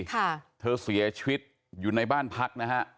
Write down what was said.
ค่ะเธอเสียชีวิตอยู่ในบ้านพักนะฮะ